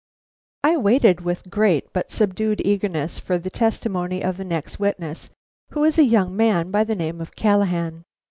I waited with great but subdued eagerness for the testimony of the next witness, who was a young man by the name of Callahan.